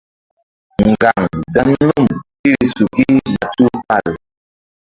Ŋgaŋ dan num iri suki na tupal.